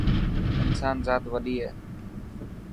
اسان زات وڏي هي.